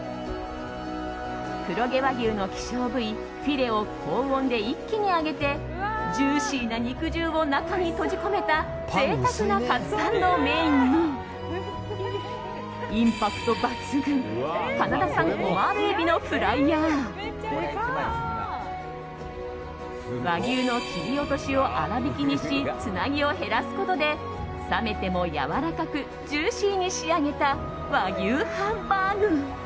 黒毛和牛の希少部位フィレを高温で一気に揚げてジューシーな肉汁を中に閉じ込めた贅沢なカツサンドをメインにインパクト抜群カナダ産オマールエビのフライや和牛の切り落としを粗びきにしつなぎを減らすことで冷めてもやわらかくジューシーに仕上げた和牛ハンバーグ。